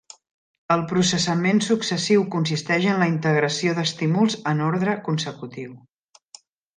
El processament successiu consisteix en la integració d'estímuls en ordre consecutiu.